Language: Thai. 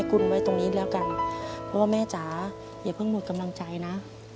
คุณไว้ตรงนี้แล้วกันเพราะว่าแม่จ๋าอย่าเพิ่งหมดกำลังใจนะ